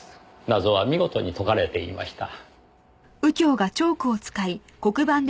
謎は見事に解かれていました。